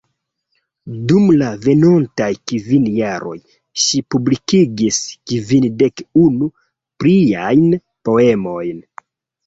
Dum la venontaj kvin jaroj ŝi publikigis kvindek-unu pliajn poemojn.